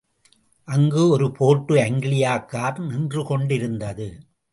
அங்கு ஒரு Ford Anglia car நின்று கொண்டிருந்தது.